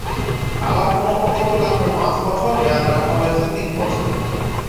আবার কোনো প্রকল্প লাগবে পাঁচ বছর, মেয়াদ রাখা হয়েছে তিন বছর।